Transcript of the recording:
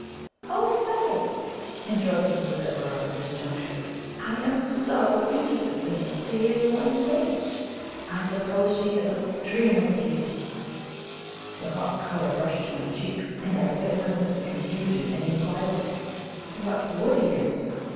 "Oh, say!" interrupted Mrs. Everard at this juncture; "I am SO interested, signor, to hear you are engaged! I suppose she is a dream of beauty?" The hot colour rushed to my cheeks, and I bit my lips in confusion and inquietude. What WOULD he answer?